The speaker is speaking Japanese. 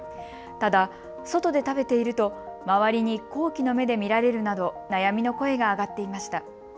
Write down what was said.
ただ外で食べていると周りに好奇の目で見られるなど悩みの声が上がっていました。